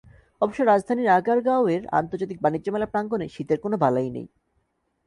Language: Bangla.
অবশ্য রাজধানীর আগারগাঁওয়ের আন্তর্জাতিক বাণিজ্য মেলা প্রাঙ্গণে শীতের কোনো বালাই নেই।